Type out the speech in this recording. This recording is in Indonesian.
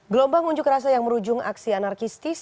gelombang unjuk rasa yang berujung aksi anarkistis